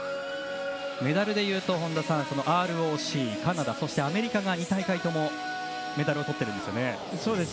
メダルでいうとＲＯＣ、カナダそしてアメリカが、２大会ともメダルをとっているんですね。